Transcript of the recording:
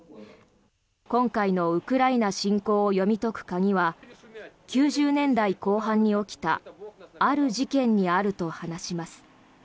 今回のウクライナ侵攻を読み解く鍵は９０年代後半に起きたある事件にあると話します。